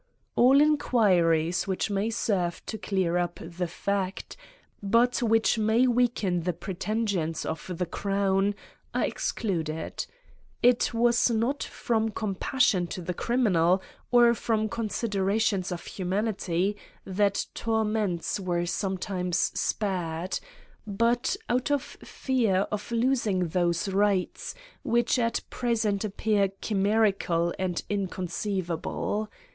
All inquiries which may serve to clear up the fact, but which may weaken the pretensions of the crown, are excluded. It was not from com passion to the criminal, or from considerations of humanity, that torments were sometimes spared, but out of fear of losing those rights which at present appear chimerical and inconceivable.